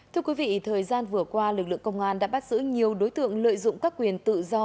thưa quý vị thời gian vừa qua lực lượng công an đã bắt giữ nhiều đối tượng lợi dụng các quyền tự do